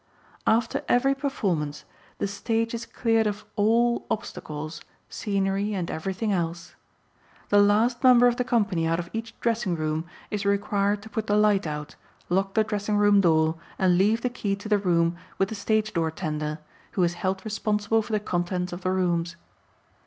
After every performance the stage is cleared of all obstacles, scenery and everything else. The last member of the company out of each dressing room is required to put the light out, lock the dressing room door and leave the key to the room with the stage door tender who is held responsible for the contents of the rooms.